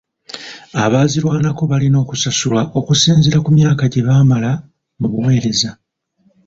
Abaazirwanako balina okusasulwa okusinziira ku myaka gye baamala mu buweereza.